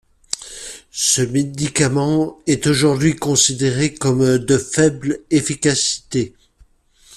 Ce médicament est aujourd'hui considéré comme de faible efficacité.